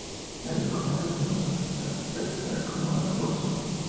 El documento asimismo determinó la creación de la comuna de Población.